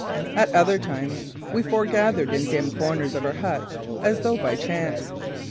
At other times we foregathered in dim corners of our huts as though by chance.